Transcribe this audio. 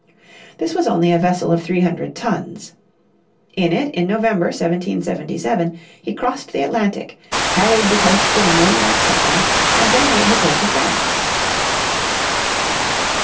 This was only a vessel of three hundred tons. In it in November, 1777, he crossed the Atlantic, harried the coasts of England and Scotland, and then made his way to France.